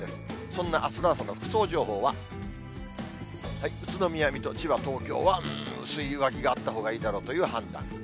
そんなあすの朝の服装情報は、宇都宮、水戸、千葉、東京は、うーん、薄い上着があったほうがいいだろうという判断。